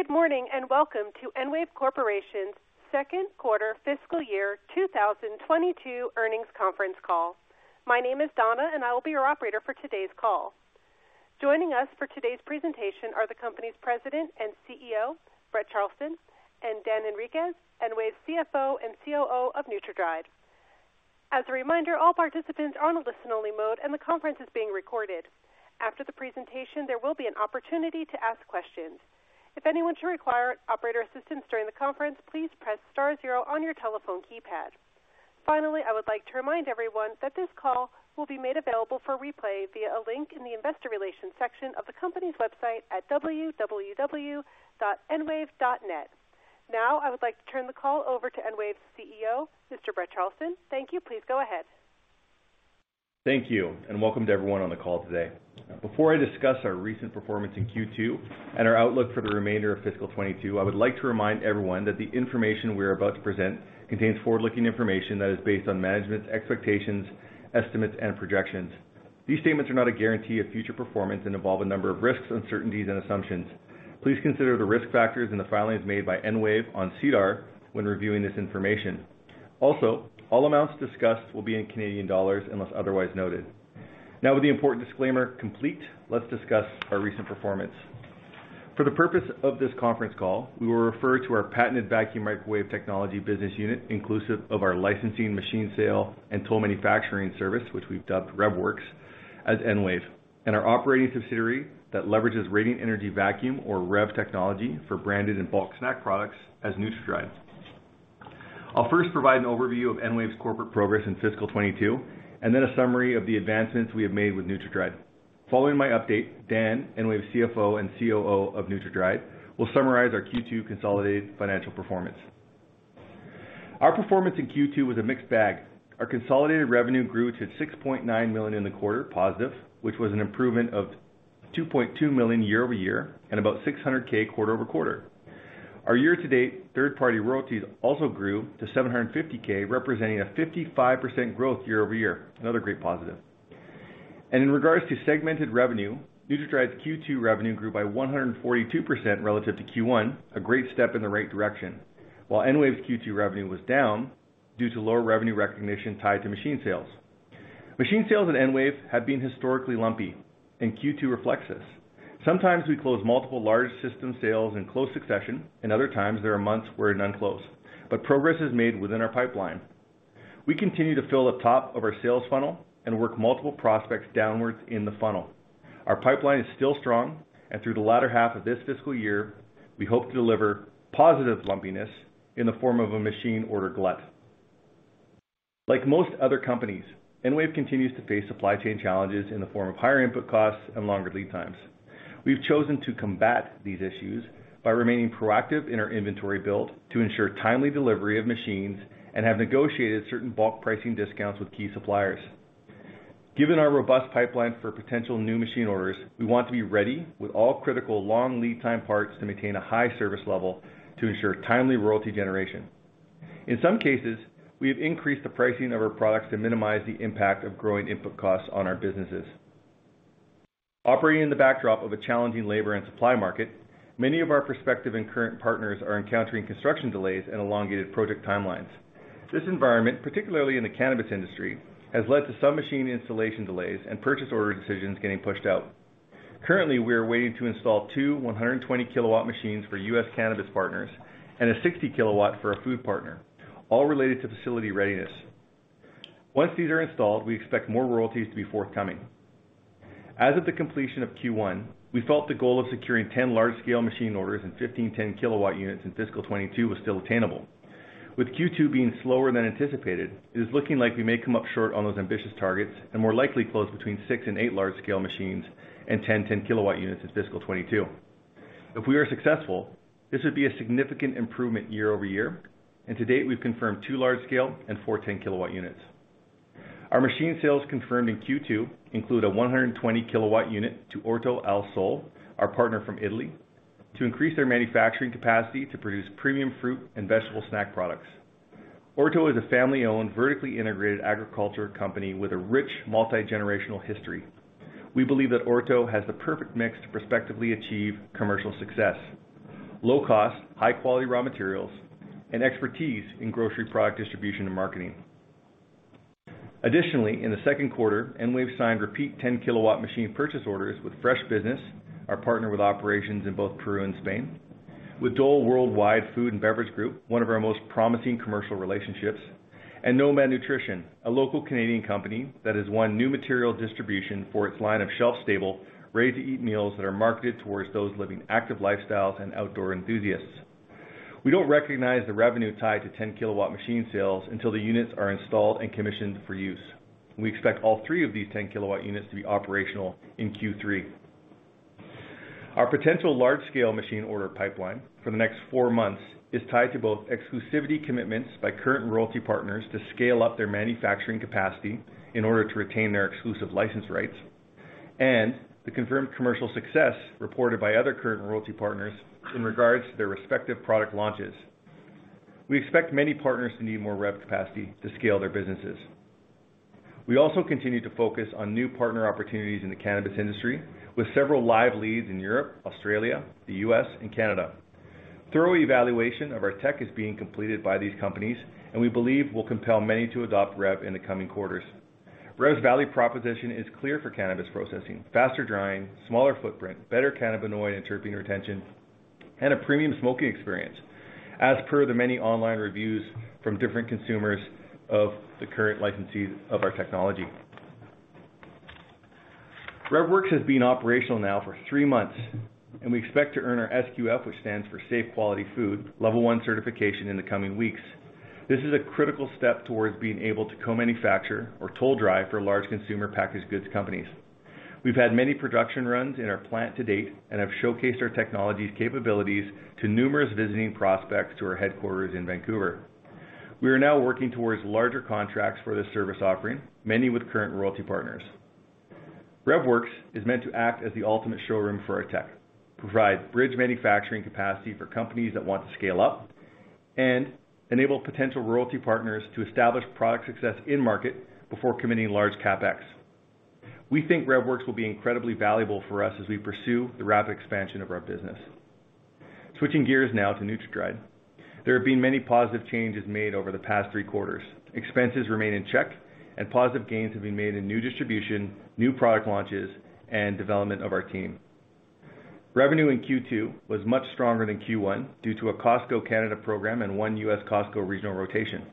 Good morning, and welcome to EnWave Corporation's second quarter fiscal year 2022 earnings conference call. My name is Donna, and I will be your operator for today's call. Joining us for today's presentation are the company's president and CEO, Brent Charleton, and Dan Henriques, EnWave's CFO and COO of NutraDried. As a reminder, all participants are on a listen-only mode and the conference is being recorded. After the presentation, there will be an opportunity to ask questions. If anyone should require operator assistance during the conference, please press star zero on your telephone keypad. Finally, I would like to remind everyone that this call will be made available for replay via a link in the investor relations section of the company's website at www.enwave.net. Now, I would like to turn the call over to EnWave's CEO, Mr. Brent Charleton. Thank you. Please go ahead. Thank you, and welcome to everyone on the call today. Before I discuss our recent performance in Q2 and our outlook for the remainder of fiscal 2022, I would like to remind everyone that the information we are about to present contains forward-looking information that is based on management's expectations, estimates, and projections. These statements are not a guarantee of future performance and involve a number of risks, uncertainties, and assumptions. Please consider the risk factors in the filings made by EnWave on SEDAR when reviewing this information. Also, all amounts discussed will be in Canadian dollars unless otherwise noted. Now with the important disclaimer complete, let's discuss our recent performance. For the purpose of this conference call, we will refer to our patented vacuum microwave technology business unit, inclusive of our licensing machine sale and toll manufacturing service, which we've dubbed REVworx, as EnWave, and our operating subsidiary that leverages Radiant Energy Vacuum or REV technology for branded and bulk snack products as NutraDried. I'll first provide an overview of EnWave's corporate progress in fiscal 2022, and then a summary of the advancements we have made with NutraDried. Following my update, Dan, EnWave's CFO and COO of NutraDried, will summarize our Q2 consolidated financial performance. Our performance in Q2 was a mixed bag. Our consolidated revenue grew to 6.9 million in the quarter positive, which was an improvement of 2.2 million year-over-year, and about 600,000 quarter-over-quarter. Our year-to-date third-party royalties also grew to 750,000, representing a 55% growth year-over-year, another great positive. In regards to segmented revenue, NutraDried's Q2 revenue grew by 142% relative to Q1, a great step in the right direction. While EnWave's Q2 revenue was down due to lower revenue recognition tied to machine sales. Machine sales at EnWave have been historically lumpy, and Q2 reflects this. Sometimes we close multiple large system sales in close succession, and other times there are months where none close. Progress is made within our pipeline. We continue to fill the top of our sales funnel and work multiple prospects downwards in the funnel. Our pipeline is still strong, and through the latter half of this fiscal year, we hope to deliver positive lumpiness in the form of a machine order glut. Like most other companies, EnWave continues to face supply chain challenges in the form of higher input costs and longer lead times. We've chosen to combat these issues by remaining proactive in our inventory build to ensure timely delivery of machines and have negotiated certain bulk pricing discounts with key suppliers. Given our robust pipeline for potential new machine orders, we want to be ready with all critical long lead time parts to maintain a high service level to ensure timely royalty generation. In some cases, we have increased the pricing of our products to minimize the impact of growing input costs on our businesses. Operating in the backdrop of a challenging labor and supply market, many of our prospective and current partners are encountering construction delays and elongated project timelines. This environment, particularly in the cannabis industry, has led to some machine installation delays and purchase order decisions getting pushed out. Currently, we are waiting to install two 120 kW machines for U.S. cannabis partners and a 60 kW for a food partner, all related to facility readiness. Once these are installed, we expect more royalties to be forthcoming. As of the completion of Q1, we felt the goal of securing 10 large-scale machine orders and fifteen 10 kW units in fiscal 2022 was still attainable. With Q2 being slower than anticipated, it is looking like we may come up short on those ambitious targets and more likely close between six and eight large-scale machines and ten 10 kW units in fiscal 2022. If we are successful, this would be a significant improvement year-over-year, and to date, we've confirmed two large-scale and four 10 kW units. Our machine sales confirmed in Q2 include a 120 kW unit to Orto Al Sole, our partner from Italy, to increase their manufacturing capacity to produce premium fruit and vegetable snack products. Orto is a family-owned, vertically integrated agriculture company with a rich multi-generational history. We believe that Orto has the perfect mix to prospectively achieve commercial success, low cost, high quality raw materials, and expertise in grocery product distribution and marketing. Additionally, in the second quarter, EnWave signed repeat 10 kW machine purchase orders with Fresh Business, our partner with operations in both Peru and Spain, with Dole Worldwide Food and Beverage Group, one of our most promising commercial relationships, and Nomad Nutrition, a local Canadian company that has won new retail distribution for its line of shelf stable, ready-to-eat meals that are marketed towards those living active lifestyles and outdoor enthusiasts. We don't recognize the revenue tied to 10 kW machine sales until the units are installed and commissioned for use. We expect all three of these 10 kW units to be operational in Q3. Our potential large-scale machine order pipeline for the next four months is tied to both exclusivity commitments by current royalty partners to scale up their manufacturing capacity in order to retain their exclusive license rights and the confirmed commercial success reported by other current royalty partners in regards to their respective product launches. We expect many partners to need more REV capacity to scale their businesses. We also continue to focus on new partner opportunities in the cannabis industry with several live leads in Europe, Australia, the U.S., and Canada. Thorough evaluation of our tech is being completed by these companies, and we believe will compel many to adopt REV in the coming quarters. REV's value proposition is clear for cannabis processing, faster drying, smaller footprint, better cannabinoid and terpene retention, and a premium smoking experience as per the many online reviews from different consumers of the current licensees of our technology. REVworx has been operational now for three months, and we expect to earn our SQF, which stands for Safe Quality Food Level one certification in the coming weeks. This is a critical step towards being able to co-manufacture or toll dry for large consumer packaged goods companies. We've had many production runs in our plant to date and have showcased our technology's capabilities to numerous visiting prospects to our headquarters in Vancouver. We are now working towards larger contracts for this service offering, many with current royalty partners. REVworx is meant to act as the ultimate showroom for our tech, provide bridge manufacturing capacity for companies that want to scale up, and enable potential royalty partners to establish product success in market before committing large CapEx. We think REVworx will be incredibly valuable for us as we pursue the rapid expansion of our business. Switching gears now to NutraDried. There have been many positive changes made over the past 3Q. Expenses remain in check and positive gains have been made in new distribution, new product launches, and development of our team. Revenue in Q2 was much stronger than Q1 due to a Costco Canada program and one U.S. Costco regional rotation.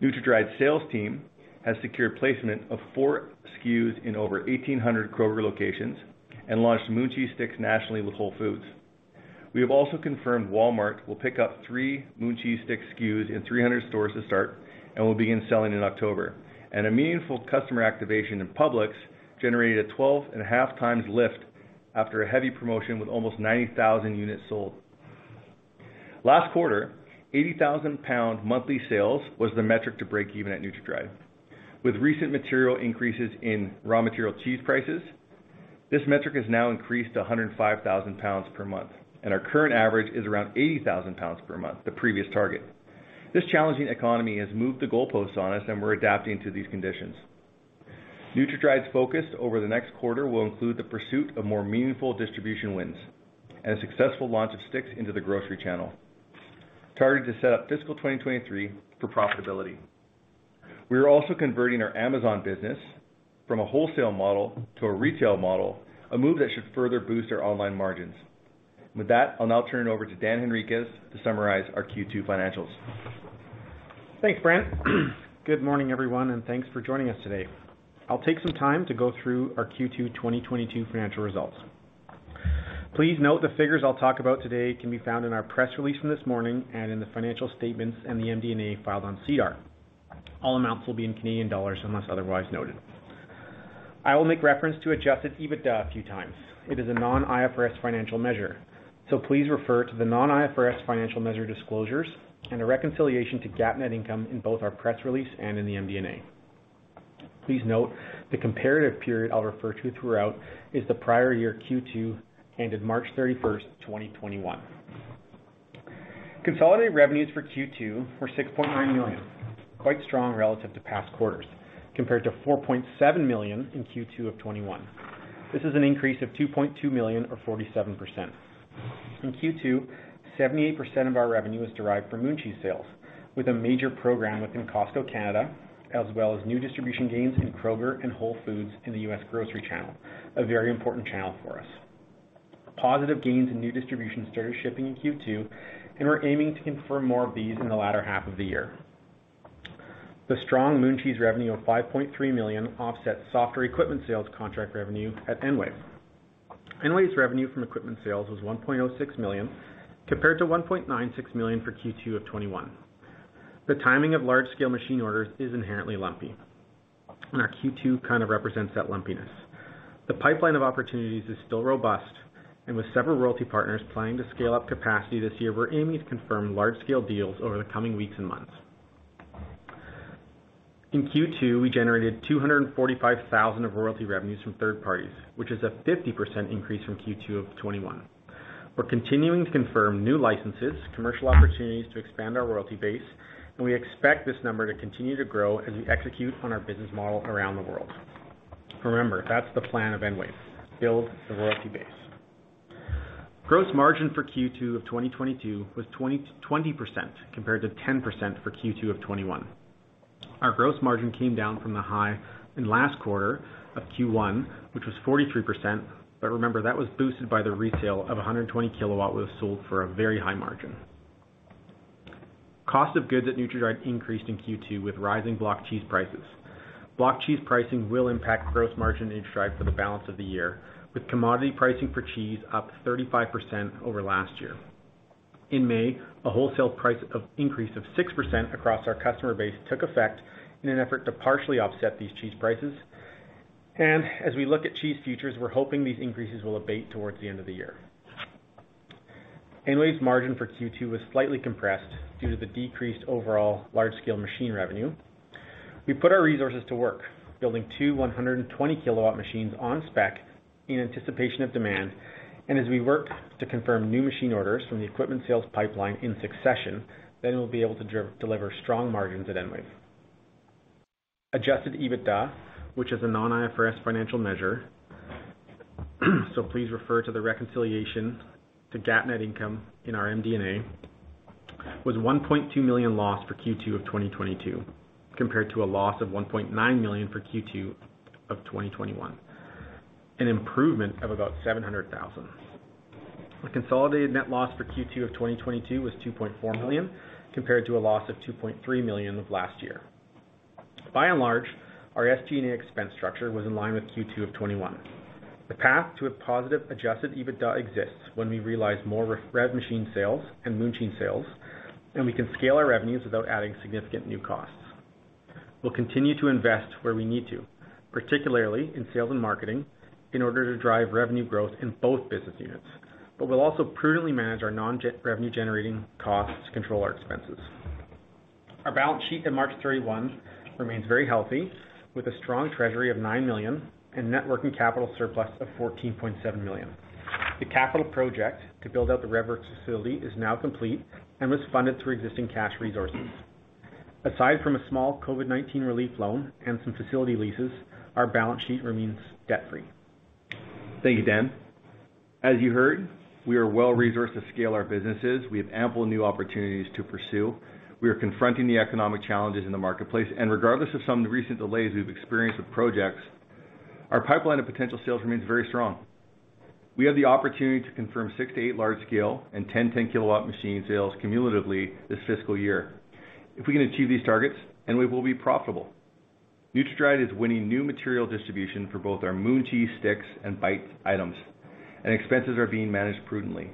NutraDried's sales team has secured placement of four SKUs in over 1,800 Kroger locations and launched Moon Cheese sticks nationally with Whole Foods. We have also confirmed Walmart will pick up three Moon Cheese stick SKUs in 300 stores to start and will begin selling in October. A meaningful customer activation in Publix generated a 12.5x lift after a heavy promotion with almost 90,000 units sold. Last quarter, 80,000-pound monthly sales was the metric to break even at NutraDried. With recent material increases in raw material cheese prices, this metric has now increased to 105,000 pounds per month, and our current average is around 80,000 pounds per month, the previous target. This challenging economy has moved the goalposts on us, and we're adapting to these conditions. NutraDried's focus over the next quarter will include the pursuit of more meaningful distribution wins and a successful launch of sticks into the grocery channel. We are targeting fiscal 2023 for profitability. We are also converting our Amazon business from a wholesale model to a retail model, a move that should further boost our online margins. With that, I'll now turn it over to Dan Henriques to summarize our Q2 financials. Thanks, Brent. Good morning, everyone, and thanks for joining us today. I'll take some time to go through our Q2 2022 financial results. Please note the figures I'll talk about today can be found in our press release from this morning and in the financial statements and the MD&A filed on SEDAR. All amounts will be in Canadian dollars unless otherwise noted. I will make reference to Adjusted EBITDA a few times. It is a non-IFRS financial measure, so please refer to the non-IFRS financial measure disclosures and a reconciliation to GAAP net income in both our press release and in the MD&A. Please note the comparative period I'll refer to throughout is the prior year Q2, ended March 31st, 2021. Consolidated revenues for Q2 were 6.9 million, quite strong relative to past quarters, compared to 4.7 million in Q2 of 2021. This is an increase of 2.2 million or 47%. In Q2, 78% of our revenue was derived from Moon Cheese sales with a major program within Costco Canada, as well as new distribution gains in Kroger and Whole Foods in the U.S. grocery channel, a very important channel for us. Positive gains in new distribution started shipping in Q2, and we're aiming to confirm more of these in the latter half of the year. The strong Moon Cheese revenue of 5.3 million offset softer equipment sales contract revenue at EnWave. EnWave's revenue from equipment sales was 1.06 million compared to 1.96 million for Q2 of 2021. The timing of large-scale machine orders is inherently lumpy, and our Q2 kind of represents that lumpiness. The pipeline of opportunities is still robust, and with several royalty partners planning to scale up capacity this year, we're aiming to confirm large-scale deals over the coming weeks and months. In Q2, we generated 245,000 of royalty revenues from third parties, which is a 50% increase from Q2 of 2021. We're continuing to confirm new licenses, commercial opportunities to expand our royalty base, and we expect this number to continue to grow as we execute on our business model around the world. Remember, that's the plan of EnWave, build the royalty base. Gross margin for Q2 of 2022 was 20% compared to 10% for Q2 of 2021. Our gross margin came down from the high in last quarter of Q1, which was 43%. Remember, that was boosted by the sale of a 120 kW was sold for a very high margin. Cost of goods at NutraDried increased in Q2 with rising block cheese prices. Block cheese pricing will impact gross margin in NutraDried for the balance of the year, with commodity pricing for cheese up 35% over last year. In May, a wholesale price increase of 6% across our customer base took effect in an effort to partially offset these cheese prices. As we look at cheese futures, we're hoping these increases will abate towards the end of the year. EnWave's margin for Q2 was slightly compressed due to the decreased overall large-scale machine revenue. We put our resources to work building two 120 kW machines on spec in anticipation of demand, and as we work to confirm new machine orders from the equipment sales pipeline in succession, then we'll be able to deliver strong margins at EnWave. Adjusted EBITDA, which is a non-IFRS financial measure, so please refer to the reconciliation to GAAP net income in our MD&A, was 1.2 million loss for Q2 of 2022, compared to a loss of 1.9 million for Q2 of 2021, an improvement of about 700,000. The consolidated net loss for Q2 of 2022 was 2.4 million, compared to a loss of 2.3 million of last year. By and large, our SG&A expense structure was in line with Q2 of 2021. The path to a positive Adjusted EBITDA exists when we realize more REV machine sales and Moon Cheese sales, and we can scale our revenues without adding significant new costs. We'll continue to invest where we need to, particularly in sales and marketing, in order to drive revenue growth in both business units. We'll also prudently manage our non-revenue-generating costs to control our expenses. Our balance sheet at March 31 remains very healthy, with a strong treasury of 9 million and net working capital surplus of 14.7 million. The capital project to build out the REVworx facility is now complete and was funded through existing cash resources. Aside from a small COVID-19 relief loan and some facility leases, our balance sheet remains debt-free. Thank you, Dan. As you heard, we are well-resourced to scale our businesses. We have ample new opportunities to pursue. We are confronting the economic challenges in the marketplace. Regardless of some recent delays we've experienced with projects, our pipeline of potential sales remains very strong. We have the opportunity to confirm six to eight large scale and 10 10 kW machine sales cumulatively this fiscal year. If we can achieve these targets, and we will be profitable. NutraDried is winning new material distribution for both our Moon Cheese sticks and bites items, and expenses are being managed prudently.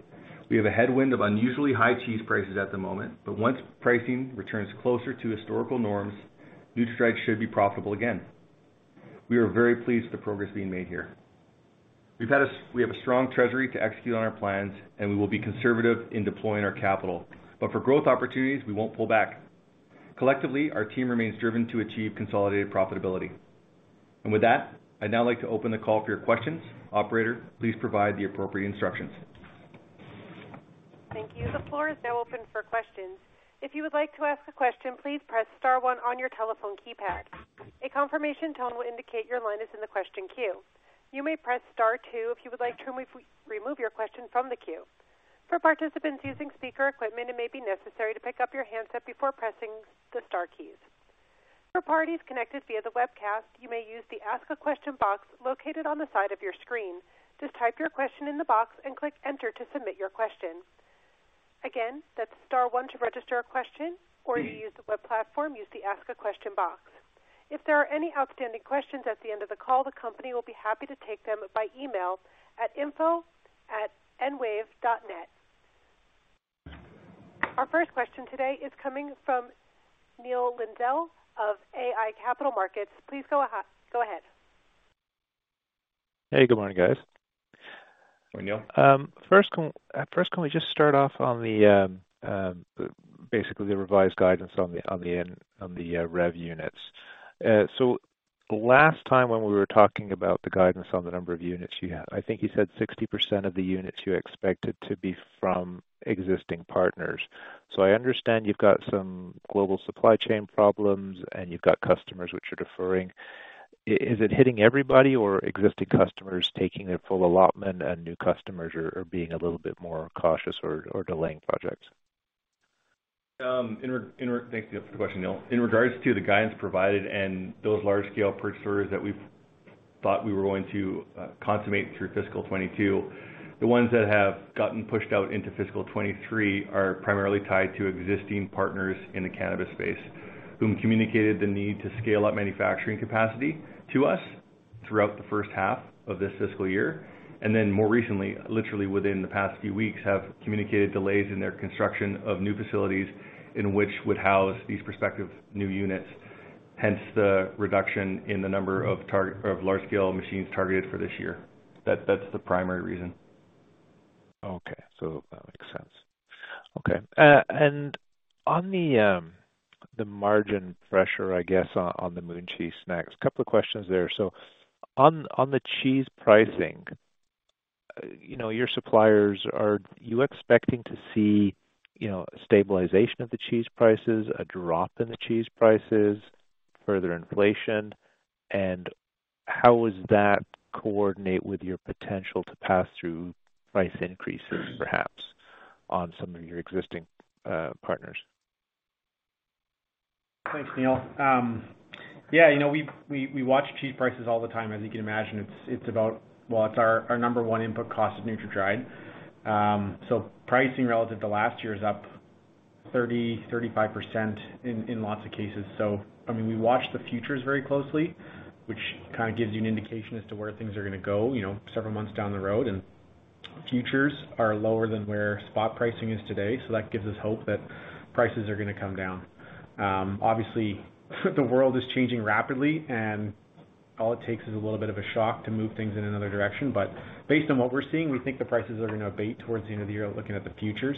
We have a headwind of unusually high cheese prices at the moment, but once pricing returns closer to historical norms, NutraDried should be profitable again. We are very pleased with the progress being made here. We have a strong treasury to execute on our plans, and we will be conservative in deploying our capital. But for growth opportunities, we won't pull back. Collectively, our team remains driven to achieve consolidated profitability. With that, I'd now like to open the call for your questions. Operator, please provide the appropriate instructions. Thank you. The floor is now open for questions. If you would like to ask a question, please press star one on your telephone keypad. A confirmation tone will indicate your line is in the question queue. You may press star two if you would like to re-remove your question from the queue. For participants using speaker equipment, it may be necessary to pick up your handset before pressing the star keys. For parties connected via the webcast, you may use the Ask a Question box located on the side of your screen. Just type your question in the box and click Enter to submit your question. Again, that's star one to register a question, or if you use the web platform, use the Ask a Question box. If there are any outstanding questions at the end of the call, the company will be happy to take them by email at info@enwave.net. Our first question today is coming from Neil Linsdell of iA Capital Markets. Please go ahead. Hey, good morning, guys. Morning, Neil. First, can we just start off on basically the revised guidance on the REV units? Last time when we were talking about the guidance on the number of units you had, I think you said 60% of the units you expected to be from existing partners. I understand you've got some global supply chain problems, and you've got customers which are deferring. Is it hitting everybody or existing customers taking their full allotment and new customers are being a little bit more cautious or delaying projects? Thanks for the question, Neil. In regards to the guidance provided and those large-scale purchasers that we've thought we were going to consummate through fiscal 2022, the ones that have gotten pushed out into fiscal 2023 are primarily tied to existing partners in the cannabis space, whom communicated the need to scale up manufacturing capacity to us throughout the first half of this fiscal year. Then more recently, literally within the past few weeks, have communicated delays in their construction of new facilities in which would house these prospective new units, hence the reduction in the number of large-scale machines targeted for this year. That's the primary reason. Okay. That makes sense. Okay. On the margin pressure, I guess on the Moon Cheese snacks, a couple of questions there. On the cheese pricing, you know, your suppliers, are you expecting to see, you know, stabilization of the cheese prices, a drop in the cheese prices, further inflation? How does that coordinate with your potential to pass through price increases, perhaps on some of your existing partners? Thanks, Neil. Yeah, you know, we watch cheese prices all the time. As you can imagine, it's about. Well, it's our number one input cost of NutraDried. Pricing relative to last year is up 30%-35% in lots of cases. I mean, we watch the futures very closely, which kinda gives you an indication as to where things are gonna go, you know, several months down the road. Futures are lower than where spot pricing is today, so that gives us hope that prices are gonna come down. Obviously, the world is changing rapidly, and all it takes is a little bit of a shock to move things in another direction. Based on what we're seeing, we think the prices are gonna abate towards the end of the year, looking at the futures.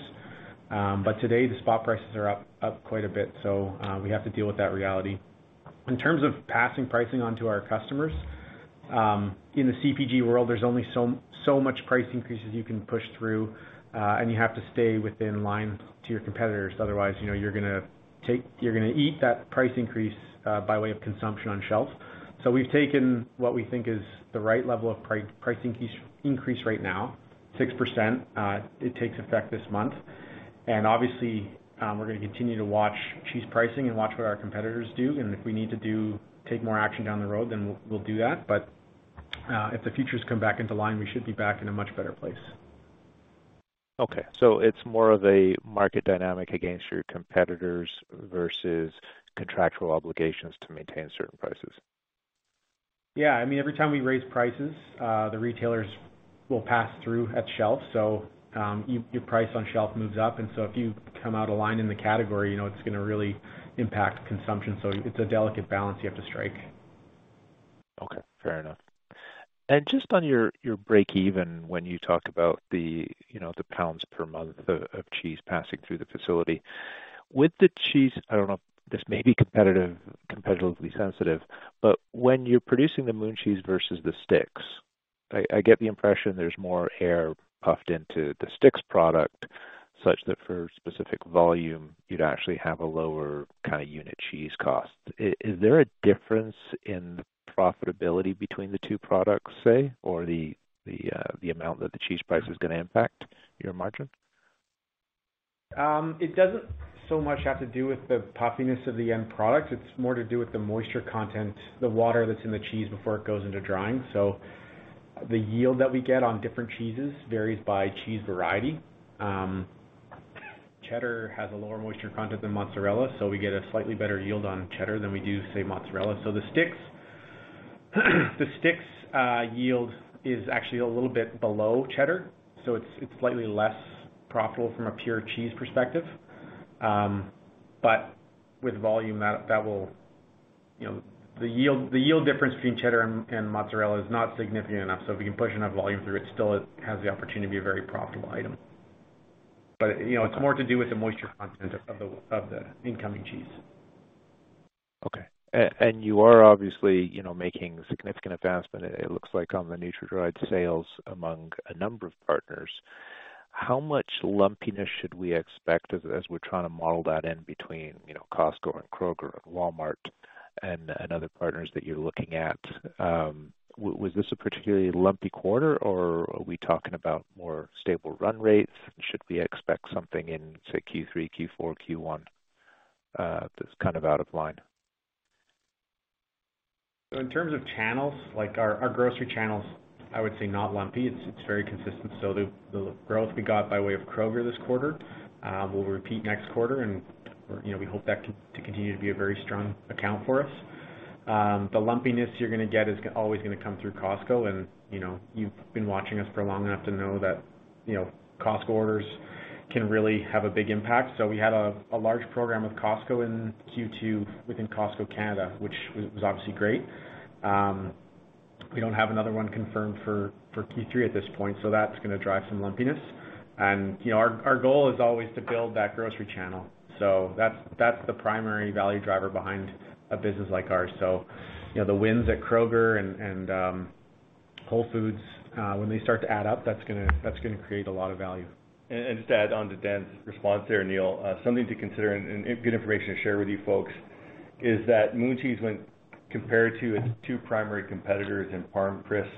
Today, the spot prices are up quite a bit. We have to deal with that reality. In terms of passing pricing on to our customers. In the CPG world, there's only so much price increases you can push through, and you have to stay in line with your competitors. Otherwise, you know, you're gonna eat that price increase by way of consumption on shelf. We've taken what we think is the right level of pricing increase right now, 6%. It takes effect this month. Obviously, we're gonna continue to watch cheese pricing and watch what our competitors do. If we need to take more action down the road, then we'll do that. If the futures come back into line, we should be back in a much better place. Okay. It's more of a market dynamic against your competitors versus contractual obligations to maintain certain prices. Yeah. I mean, every time we raise prices, the retailers will pass through at shelf. Your price on shelf moves up. If you come out of line in the category, you know it's gonna really impact consumption. It's a delicate balance you have to strike. Okay, fair enough. Just on your break even, when you talk about the, you know, the pounds per month of cheese passing through the facility. With the cheese, I don't know, this may be competitively sensitive, but when you're producing the Moon Cheese versus the sticks, I get the impression there's more air puffed into the sticks product such that for a specific volume, you'd actually have a lower kind of unit cheese cost. Is there a difference in the profitability between the two products, say, or the amount that the cheese price is gonna impact your margin? It doesn't so much have to do with the puffiness of the end product. It's more to do with the moisture content, the water that's in the cheese before it goes into drying. The yield that we get on different cheeses varies by cheese variety. Cheddar has a lower moisture content than mozzarella, so we get a slightly better yield on cheddar than we do, say, mozzarella. The sticks yield is actually a little bit below cheddar, so it's slightly less profitable from a pure cheese perspective. But with volume that will. You know, the yield difference between cheddar and mozzarella is not significant enough. If you can push enough volume through it, still it has the opportunity to be a very profitable item. You know, it's more to do with the moisture content of the incoming cheese. Okay. You are obviously, you know, making significant advancement, it looks like on the NutraDried sales among a number of partners. How much lumpiness should we expect as we're trying to model that in between, you know, Costco and Kroger and Walmart and other partners that you're looking at? Was this a particularly lumpy quarter or are we talking about more stable run rates? Should we expect something in, say, Q3, Q4, Q1, that's kind of out of line? In terms of channels, like our grocery channels, I would say not lumpy. It's very consistent. The growth we got by way of Kroger this quarter will repeat next quarter. You know, we hope to continue to be a very strong account for us. We don't have another one confirmed for Q3 at this point, so that's gonna drive some lumpiness. You know, our goal is always to build that grocery channel. That's the primary value driver behind a business like ours. You know, the wins at Kroger and Whole Foods, when they start to add up, that's gonna create a lot of value. Just to add on to Dan's response there, Neil, something to consider and good information to share with you folks is that Moon Cheese, when compared to its two primary competitors in ParmCrisps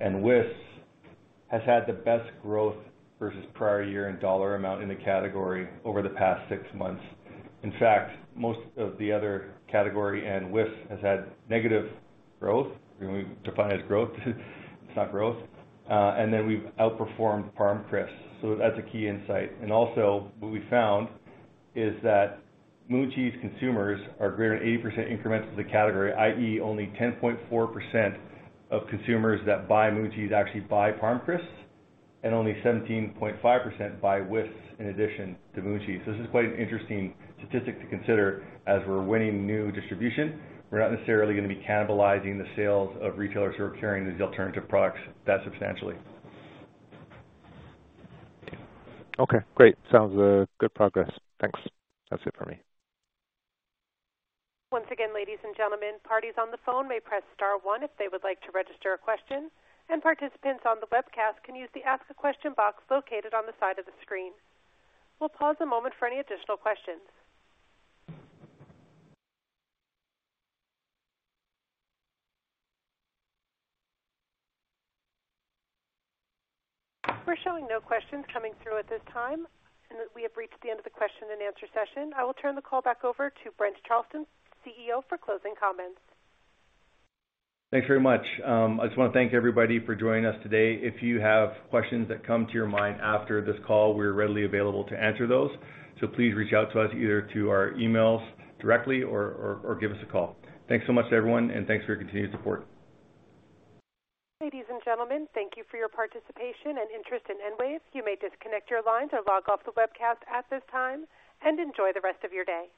and Whisps, has had the best growth versus prior year in dollar amount in the category over the past six months. In fact, most of the other category and Whisps has had negative growth. We define as growth. It's not growth. And then we've outperformed ParmCrisps, so that's a key insight. And also what we found is that Moon Cheese consumers are greater than 80% incremental to the category, i.e., only 10.4% of consumers that buy Moon Cheese actually buy ParmCrisps, and only 17.5% buy Whisps in addition to Moon Cheese. This is quite an interesting statistic to consider. As we're winning new distribution, we're not necessarily gonna be cannibalizing the sales of retailers who are carrying these alternative products that substantially. Okay, great. Sounds good progress. Thanks. That's it for me. Once again, ladies and gentlemen, parties on the phone may press star one if they would like to register a question. Participants on the webcast can use the ask a question box located on the side of the screen. We'll pause a moment for any additional questions. We're showing no questions coming through at this time, and we have reached the end of the question and answer session. I will turn the call back over to Brent Charleton, CEO, for closing comments. Thanks very much. I just wanna thank everybody for joining us today. If you have questions that come to your mind after this call, we're readily available to answer those. Please reach out to us either to our emails directly or give us a call. Thanks so much to everyone, and thanks for your continued support. Ladies and gentlemen, thank you for your participation and interest in EnWave. You may disconnect your lines or log off the webcast at this time, and enjoy the rest of your day.